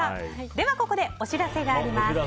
では、ここでお知らせがあります。